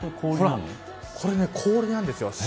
これ、氷なんですよ。